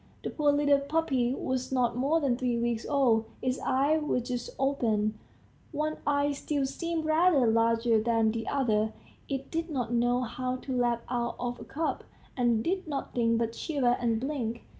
The poor little puppy was not more than three weeks old, its eyes were just open one eye still seemed rather larger than the other; it did not know how to lap out of a cup, and did nothing but shiver and blink.